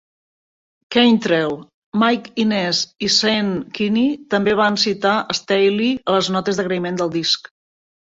Cantrell, Mike Inez i Sean Kinney també van citar Staley a les notes d'agraïment del disc.